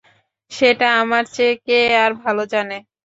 সেটা আমার চেয়ে কে আর ভালো জানে।